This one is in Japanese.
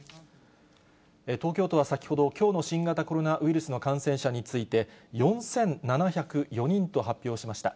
東京都は先ほど、きょうの新型コロナウイルスの感染者について、４７０４人と発表しました。